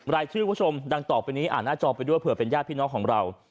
รายชื่อคุณผู้ชมดังต่อไปนี้อ่านหน้าจอไปด้วยเผื่อเป็นญาติพี่น้องของเรา